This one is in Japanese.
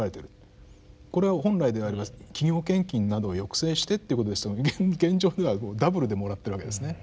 これは本来であれば企業献金などを抑制してっていうことですけど現状ではダブルでもらってるわけですね。